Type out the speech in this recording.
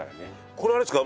これあれですか？